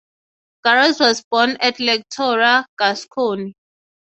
Garros was born at Lectoure, Gascony.